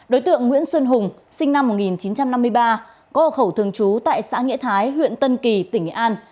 đối tượng nguyễn xuân hùng sinh năm một nghìn chín trăm năm mươi ba có ở khẩu thường trú tại xã nghĩa thái huyện tân kỳ tỉnh nghệ an